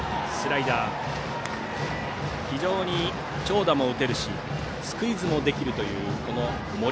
非常に長打も打てるしスクイズもできるという森。